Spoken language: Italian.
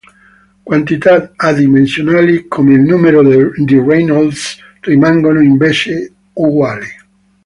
Quantità adimensionali come il numero di Reynolds rimangono invece uguali.